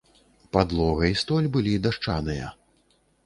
Падлога і столь былі дашчаныя.